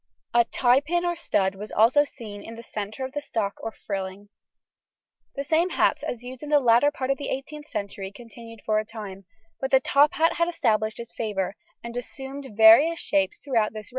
A tie pin or stud was also seen in the centre of the stock or frilling. The same hats as in the latter part of the 18th century continued for a time, but the top hat had established its favour, and assumed various shapes throughout this reign.